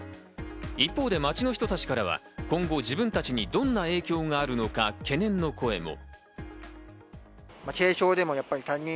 一方で街の人たちからは今後自分たちにどんな影響があるのか、懸念の声も。